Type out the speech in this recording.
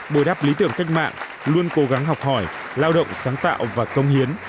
bồi đắp lý tưởng cách mạng luôn cố gắng học hỏi lao động sáng tạo và công hiến